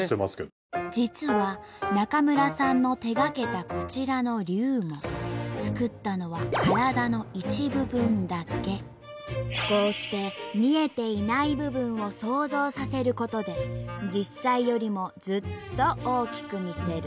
実は中村さんの手がけたこちらの竜も作ったのはこうして見えていない部分を想像させることで実際よりもずっと大きく見せる。